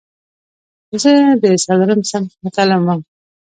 زه د څلورم صنف متعلم وم.